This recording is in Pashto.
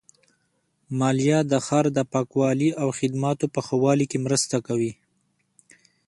مالیه د ښار د پاکوالي او خدماتو په ښه والي کې مرسته کوي.